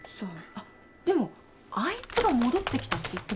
あっでも「あいつが戻ってきた」って言ってました。